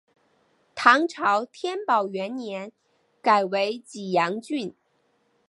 唐朝天宝元年改为济阳郡。